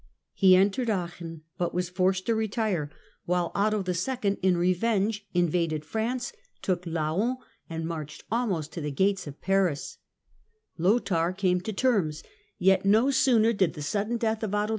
He entered Aachen, but was forced to retire, while Otto II., in FRANCE UNDER CAROLINGIANS AND CAPETIANS 45 revenge, invaded France, took Laon and marched almost to the gates of Paris. Lothair came to terms, yet no sooner did the sudden death of Otto II.